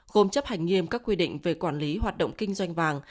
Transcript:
gồm chấp hành nghiêm các quy định về quản lý hoạt động kinh doanh vàng